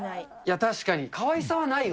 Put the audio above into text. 確かに、かわいさはないわ。